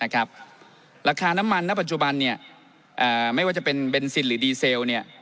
ราคาน้ำมันณปัจจุบันไม่ว่าจะเป็นเบนซินหรือดีเซล